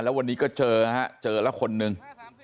แล้ววันนี้ก็เจอนะครับเจอละคนหนึ่ง